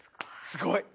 すごい。